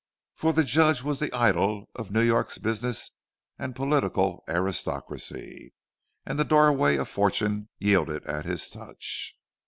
For the Judge was the idol of New York's business and political aristocracy, and the doorways of fortune yielded at his touch.